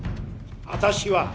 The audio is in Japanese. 私は！